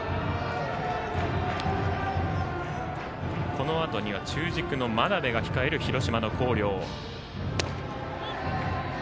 このあとには中軸の真鍋が控える広島の広陵。